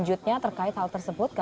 untuk bisa terhubung